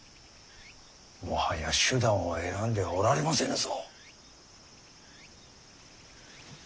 もはや手段を選んではおられませぬぞ。